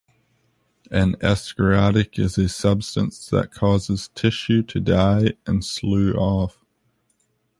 An escharotic is a substance that causes tissue to die and slough off.